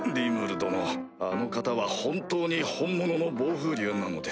殿あの方は本当に本物の暴風竜なのですか？